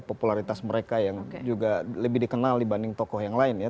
popularitas mereka yang juga lebih dikenal dibanding tokoh yang lain ya